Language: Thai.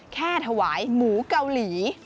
แค่ถวายหมูเกาหลี